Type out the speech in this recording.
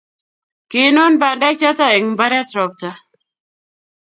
kiinun bandek choto eng' mbaret robta